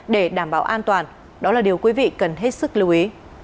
để đảm bảo an toàn đó là điều quý vị cần hết sức lưu ý